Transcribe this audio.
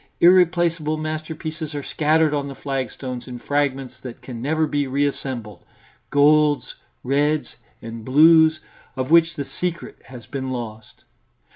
Irreplaceable masterpieces are scattered on the flagstones in fragments that can never be reassembled golds, reds and blues, of which the secret has been lost.